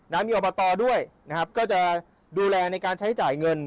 มีอบตด้วยนะครับก็จะดูแลในการใช้จ่ายเงิน